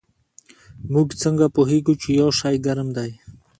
موږ څنګه پوهیږو چې یو شی ګرم دی